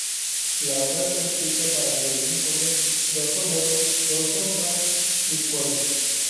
La obra está escrita para violín solo, dos oboes, dos trompas y cuerda.